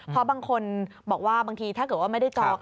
เพราะบางคนบอกว่าบางทีถ้าเกิดว่าไม่ได้จอง